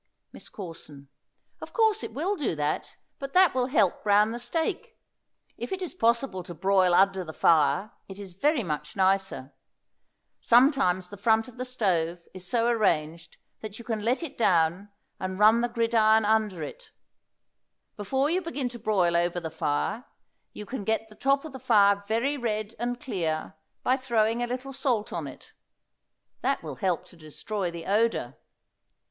MISS CORSON. Of course it will do that, but that will help brown the steak. If it is possible to broil under the fire it is very much nicer. Sometimes the front of the stove is so arranged that you can let it down and run the gridiron under it; before you begin to broil over the fire you can get the top of the fire very red and clear by throwing a little salt upon it; that will help to destroy the odor.